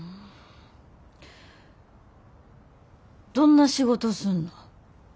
どんな仕事すんの？